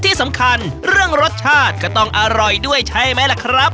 ที่สำคัญเรื่องรสชาติก็ต้องอร่อยด้วยใช่ไหมล่ะครับ